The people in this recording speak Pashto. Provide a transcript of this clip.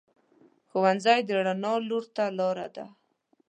ښوونځی د رڼا لور ته لار ده